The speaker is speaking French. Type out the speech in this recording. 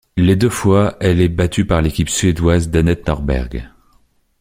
Les deux fois, elle est battue par l'équipe suédoise d'Anette Norberg.